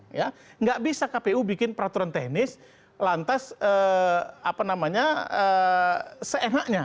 tidak bisa kpu bikin peraturan teknis lantas apa namanya seenaknya